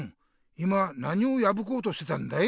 今何をやぶこうとしてたんだい？